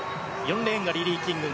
４レーンがリリー・キング。